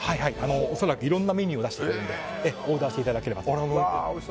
いろいろなメニューを出しているのでオーダーしていただければと。